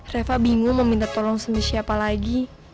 reva bingung meminta tolong sama siapa lagi